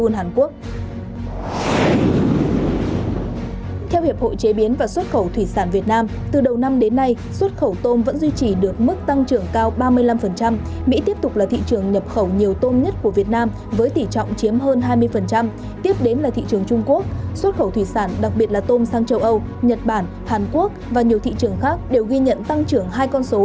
nhật bản hàn quốc và nhiều thị trường khác đều ghi nhận tăng trưởng hai con số